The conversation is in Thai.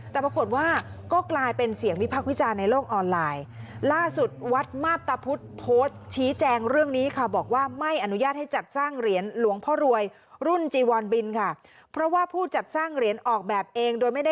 แต่ปรากฏว่าก็กลายเป็นเสียงวิพักษ์วิจารณ์ในโลกออนไลน์ล่าสุด